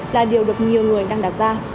là điều được nhiều người đang đặt ra